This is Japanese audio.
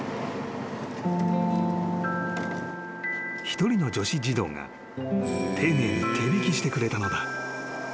［一人の女子児童が丁寧に手引きしてくれたのだ］